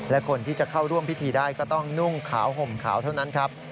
และคนที่จะเข้าร่วมพิธีได้ก็ต้องนุ่งขาวห่มขาวเท่านั้นครับ